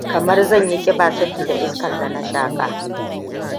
Kamar zan yi ƙiba sabida iskar da na shaƙa.